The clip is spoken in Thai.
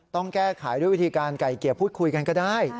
ต้องแก้ไขด้วยวิธีการไก่เกลี่ยพูดคุยกันก็ได้